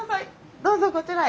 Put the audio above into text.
どうぞこちらへ。